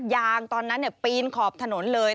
ตอนนั้นปีนขอบถนนเลย